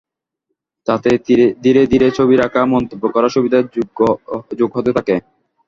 তাতে ধীরে ধীরে ছবি রাখা, মন্তব্য করার সুবিধা যোগ হতে থাকে।